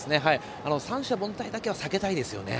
三者凡退だけは避けたいですよね。